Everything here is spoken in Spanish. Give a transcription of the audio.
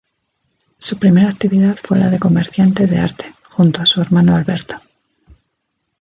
Su primera actividad fue la de comerciante de arte, junto a su hermano Alberto.